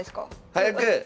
早く！